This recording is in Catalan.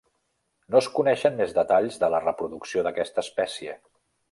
No es coneixen més detalls de la reproducció d'aquesta espècie.